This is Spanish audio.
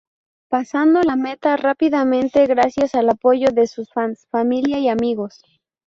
Pasando la meta rápidamente gracias al apoyo de sus fans, familia y amigos.